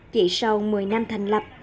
chỉ sau một mươi năm thành lập